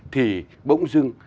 thì bỗng dưng